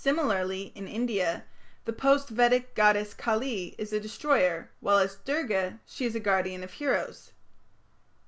Similarly in India, the post Vedic goddess Kali is a destroyer, while as Durga she is a guardian of heroes.